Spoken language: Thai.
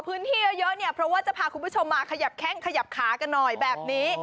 เพราะว่าจะพาคุณผู้ชมมาขยับแข้งขยับขากันหน่อยแบบนี้